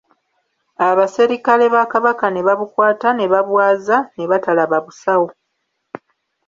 Abaserikale ba Kabaka ne babukwata ne babwaza ne batalaba busawo.